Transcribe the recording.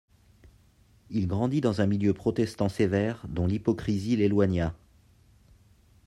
Il grandit dans un milieu protestant sévère dont l'hypocrisie l'éloigna.